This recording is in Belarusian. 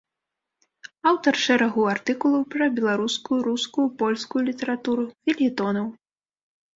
Аўтар шэрагу артыкулаў пра беларускую, рускую, польскую літаратуру, фельетонаў.